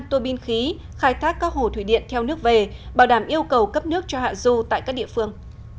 tuô bin khí khai thác các hồ thủy điện theo nước về bảo đảm yêu cầu cấp nước cho hạ du tại các địa phương